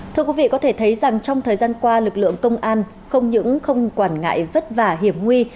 thưa quý vị có thể thấy rằng trong thời gian qua lực lượng công an không những không quản ngại vất vả hiểm nguy